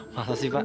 wah makasih pak